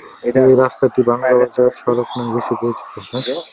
এ রাস্তাটি বাংলাবাজার সড়ক নামেই বেশি পরিচিত।